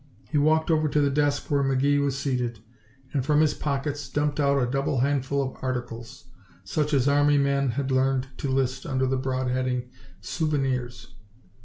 He walked over to the desk where McGee was seated and from his pockets dumped out a double handful of articles, such as army men had learned to list under the broad heading "Souvenirs."